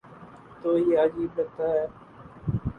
تو یہ عجیب لگتا ہے۔